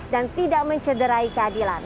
dan tidak mencederai keadilan